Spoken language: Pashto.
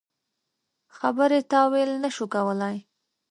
خبرې تاویل نه شو کولای.